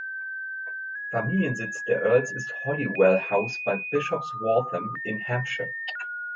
Familiensitz der Earls ist Holywell House bei Bishop's Waltham in Hampshire.